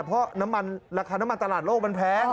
เพราะราคาน้ำมันตลาดโลกมันแพง